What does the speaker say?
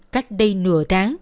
cách đây nửa tháng